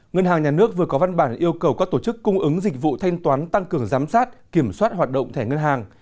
ngân hàng nhà nước vừa có văn bản yêu cầu các tổ chức cung ứng dịch vụ thanh toán tăng cường giám sát kiểm soát hoạt động thẻ ngân hàng